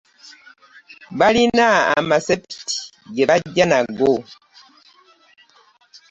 Baalina amaseppiti ge bajja nago.